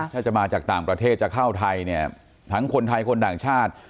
ถ้าจะมาจากต่างประเทศจะเข้าไทยเนี่ยทั้งคนไทยคนต่างชาติ